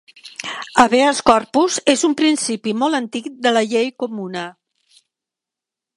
Habeas corpus és un principi molt antic de la llei comuna.